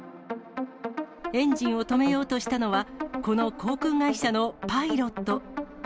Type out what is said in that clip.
エンジンを止めようとしたのは、この航空会社のパイロット。